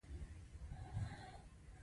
هغې وویل محبت یې د لمر په څېر ژور دی.